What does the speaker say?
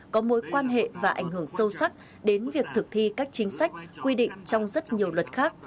có mối quan hệ và ảnh hưởng sâu sắc đến việc thực thi các chính sách quy định trong rất nhiều luật khác